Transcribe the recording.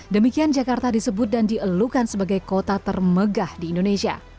demikian jakarta disebut dan dielukan sebagai kota termegah di indonesia